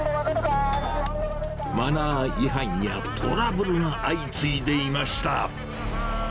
マナー違反やトラブルが相次いでいました。